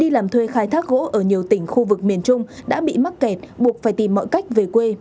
làm thuê khai thác gỗ ở nhiều tỉnh khu vực miền trung đã bị mắc kẹt buộc phải tìm mọi cách về quê